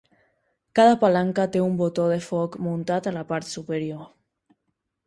Cada palanca té un botó de foc muntat a la part superior.